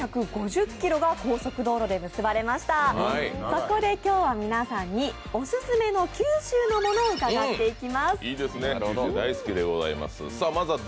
そこで今日は皆さんにオススメの九州のものを伺っていきます。